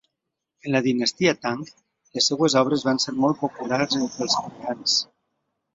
En la dinastia Tang, les seves obres van ser molt populars entre els coreans.